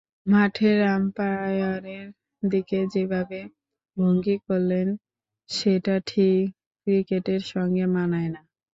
মাঠের আম্পায়ারের দিকে যেভাবে ভঙ্গি করলেন, সেটা ঠিক ক্রিকেটের সঙ্গে মানায় না।